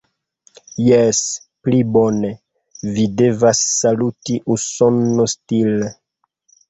Jes, pli bone. Vi devas saluti uson-stile.